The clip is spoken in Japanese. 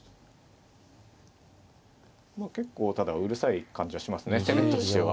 結構ただうるさい感じはしますね攻める手としては。